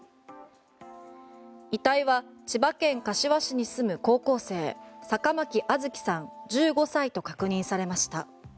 遺体は千葉県柏市に住む高校生坂巻杏月さん、１５歳と確認されました。